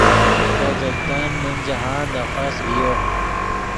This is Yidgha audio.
نے گلتن من جاہند افس ڤیو